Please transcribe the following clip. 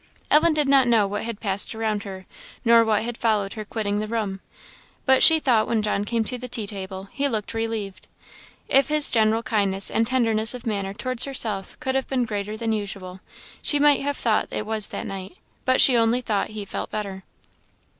Ellen did not know what had passed around her, nor what had followed her quitting the room. But she thought when John came to the tea table he looked relieved. If his general kindness and tenderness of manner towards herself could have been greater than usual, she might have thought it was that night; but she only thought he felt better.